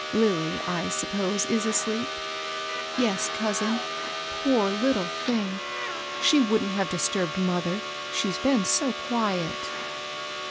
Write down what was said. Lilly, I suppose is asleep?" " Yes, cousin. Poor little thing I she wouldn^t have disturbed mother, she's been so quiet."